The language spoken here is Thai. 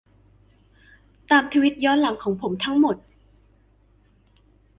ตามทวีตย้อนหลังของผมทั้งหมด